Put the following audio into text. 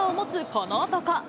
この男。